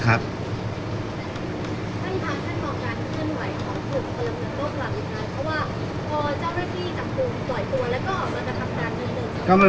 การสำรรค์ของเจ้าชอบใช่